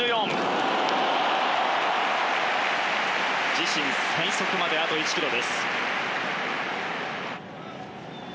自身最速まであと１キロです。